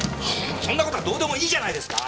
そんな事はどうでもいいじゃないですか！